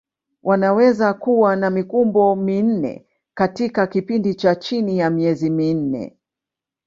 Wanaweza kuwa na mikumbo minne katika kipindi cha chini ya miezi minne.